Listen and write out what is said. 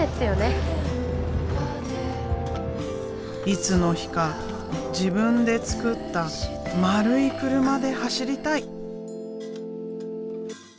いつの日か自分で作った丸い車で走りたい！